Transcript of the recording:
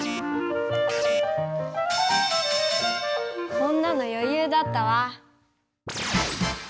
こんなのよゆうだったわ。